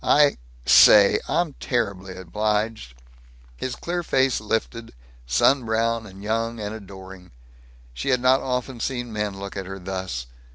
I Say I'm terribly obliged!" His clear face lifted, sun brown and young and adoring. She had not often seen men look at her thus.